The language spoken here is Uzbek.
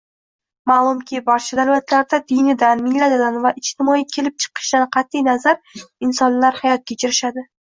Malumki, barcha davlatlarda dinidan, millatidan va ijtimoiy kelib chikishidan qatiy nazar, insonlar hayot kechirishadi